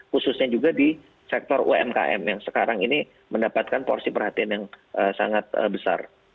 khususnya juga di sektor umkm yang sekarang ini mendapatkan porsi perhatian yang sangat besar